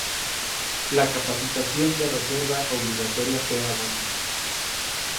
La capacitación de reserva obligatoria fue abolida.